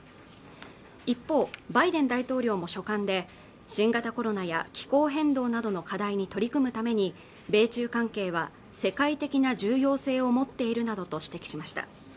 一方バイデン大統領も書簡で新型コロナや気候変動などの課題に取り組むために米中関係は世界的な重要性を持っているなどと指摘しました